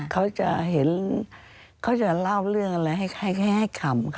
เขาจะเห็นเขาจะเล่าเรื่องอะไรให้คำค่ะ